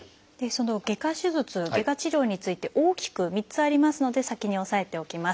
その外科手術外科治療について大きく３つありますので先に押さえておきます。